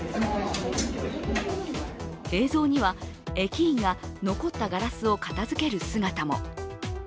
映像には、駅員が残ったガラスを片づける姿も。